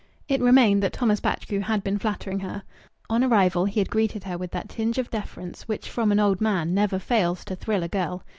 It remained that Thomas Batchgrew had been flattering her. On arrival he had greeted her with that tinge of deference which from an old man never fails to thrill a girl.